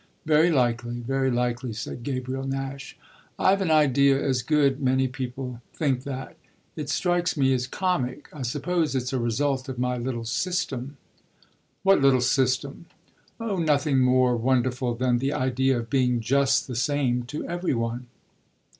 "Very likely very likely," said Gabriel Nash. "I've an idea a good many people think that. It strikes me as comic. I suppose it's a result of my little system." "What little system?" "Oh nothing more wonderful than the idea of being just the same to every one.